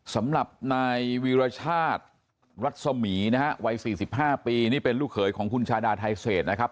สำหรับนายวีรชาติรัศมีนะฮะวัย๔๕ปีนี่เป็นลูกเขยของคุณชาดาไทเศษนะครับ